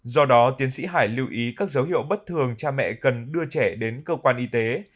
do đó tiến sĩ hải lưu ý các dấu hiệu bất thường cha mẹ cần đưa trẻ đến cơ quan y tế